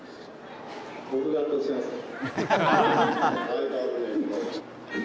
僕が圧倒してますね。